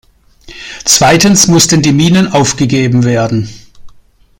Zweitens mussten die Minen aufgegeben werden.